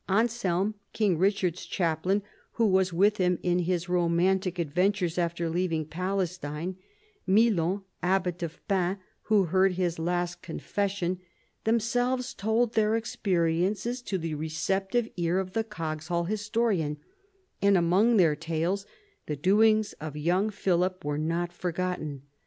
Anselm, King Eichard's chaplain, who was with him in his romantic adventures after leaving Palestine, Milon, abbat of Pin, who heard his last confession, themselves told their experiences to the receptive ear of the Coggeshall historian, and among their tales the doings of young Philip were not forgotten.